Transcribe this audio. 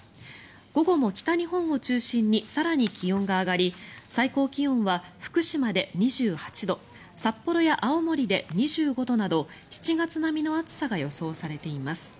午後も北日本を中心に更に気温が上がり最高気温は福島で２８度札幌や青森で２５度など７月並みの暑さが予想されています。